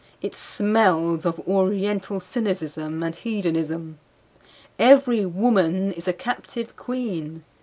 It smells of oriental cynicism and hedonism. Every woman is a captive queen.